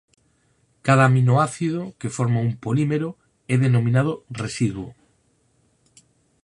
Cada aminoácido que forma un polímero é denominado residuo.